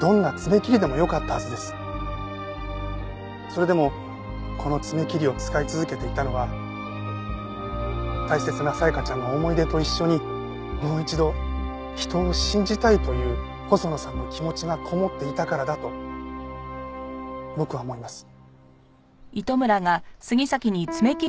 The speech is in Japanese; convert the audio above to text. それでもこの爪切りを使い続けていたのは大切な紗弥香ちゃんの思い出と一緒にもう一度人を信じたいという細野さんの気持ちがこもっていたからだと僕は思います。